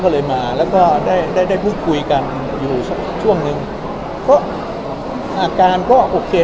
แล้วก็